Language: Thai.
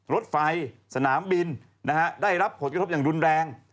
รถไฟสนามบินได้รับผลกระทบอย่างรุนแรง